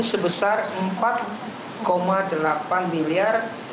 sebesar rp empat delapan miliar